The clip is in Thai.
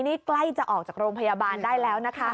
นี่ใกล้จะออกจากโรงพยาบาลได้แล้วนะคะ